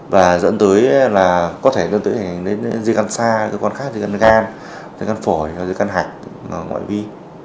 và dẫn tới là có thể dây căn xa dây căn gan dây căn phổi dây căn hạch ngoại vi